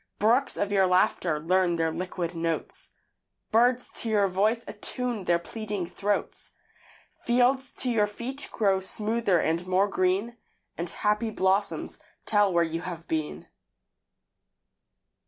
Brooks of your laughter learn their liquid notes. Birds to your voice attune their pleading throats. Fields to your feet grow smoother and more green; And happy blossoms tell where you have been.